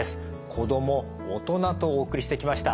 子ども大人とお送りしてきました。